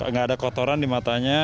nggak ada kotoran di matanya